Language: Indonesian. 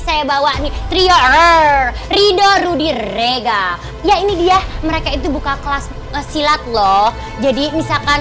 saya bawa nih trior rido rudy rega ya ini dia mereka itu buka kelas silat loh jadi misalkan